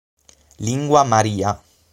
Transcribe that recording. Lingua maria